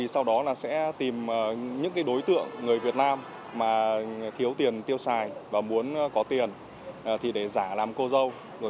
sau đó sẽ tìm những đối tượng người việt nam mà thiếu tiền tiêu xài và muốn có tiền để giả làm cô dâu